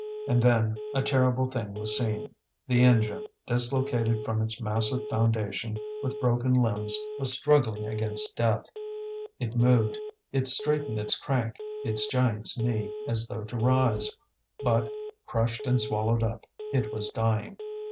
And then a terrible thing was seen; the engine, dislocated from its massive foundation, with broken limbs was struggling against death; it moved, it straightened its crank, its giant's knee, as though to rise; but, crushed and swallowed up, it was dying.